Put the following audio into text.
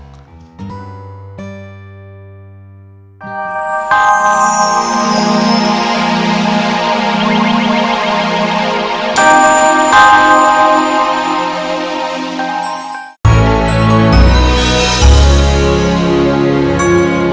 sampai jumpa lagi